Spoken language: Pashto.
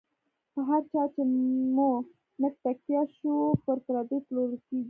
په هر چا چی مو نږ تکیه شو، پر پردیو پلورل کیږی